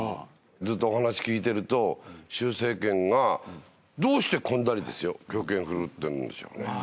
ずっとお話聞いてると習政権がどうしてこんなにですよ強権ふるってるんでしょうね。